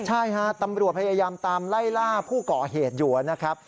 ใช่ฮะตำรวจพยายามตามไล่ล่าผู้ก่อเหตุอยู่นะครับ